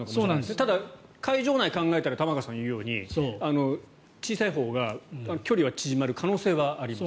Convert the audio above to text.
ただ、会場内を考えたら玉川さんが言うように小さいほうが距離は縮まる可能性はあります。